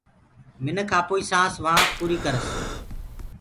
مَکيٚ آپوئيٚ آکريٚ سآنٚس وهآنٚ پوريٚ ڪرس